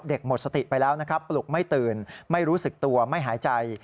เด็กหมดสติไปแล้วปลุกไม่ตื่นไม่รู้สึกตัวไม่หายใจ